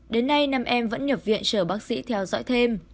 đến nay năm em vẫn nhập viện chờ bác sĩ theo dõi thêm